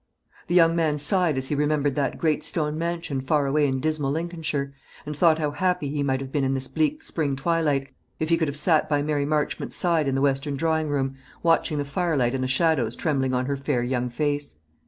The young man sighed as he remembered that great stone mansion far away in dismal Lincolnshire, and thought how happy he might have been in this bleak spring twilight, if he could have sat by Mary Marchmont's side in the western drawing room, watching the firelight and the shadows trembling on her fair young face.